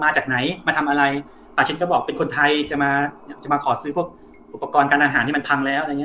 มาจากไหนมาทำอะไรอ่าเช่นก็บอกเป็นคนไทยจะมาจะมาขอซื้อพวกอุปกรณ์การอาหารที่มันพังแล้วอะไรอย่างเ